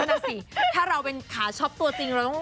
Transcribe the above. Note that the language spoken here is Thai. นั่นสิถ้าเราเป็นขาชอบตัวจริง